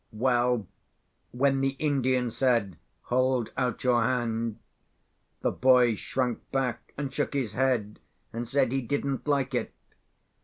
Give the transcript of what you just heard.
Well, when the Indian said, "Hold out your hand," the boy shrunk back, and shook his head, and said he didn't like it.